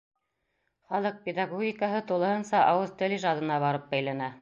Халыҡ педагогикаһы тулыһынса ауыҙ-тел ижадына барып бәйләнә.